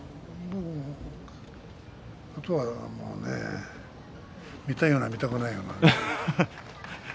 あとは見たいような見たくないような。